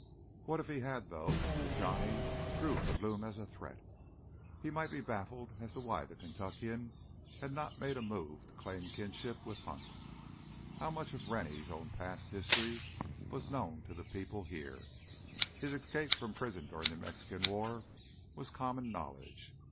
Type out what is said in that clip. What if he had, though? To Johnny, Drew could loom as a threat. He might be baffled as to why the Kentuckian had not made a move to claim kinship with Hunt. How much of Rennie's own past history was known to the people here? His escape from prison during the Mexican War was common knowledge.